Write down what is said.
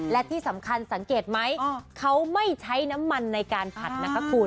และที่สำคัญสังเกตไหมเขาไม่ใช้น้ำมันในการผัดนะคะคุณ